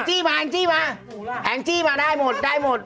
หาแอน่จี้มาแอน่จี้มาได้หมด